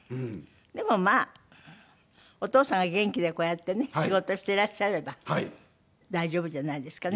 でもまあお父さんが元気でこうやってね仕事していらっしゃれば大丈夫じゃないですかね。